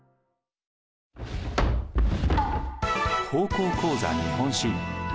「高校講座日本史」。